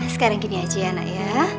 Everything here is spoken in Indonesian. sekarang gini aja ya nak ya